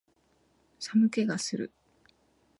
寒気がする